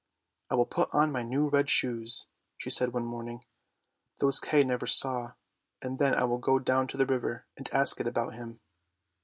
" I will put on my new red shoes," she said one morning; " those Kay never saw; and then I will go down to the river and ask it about him!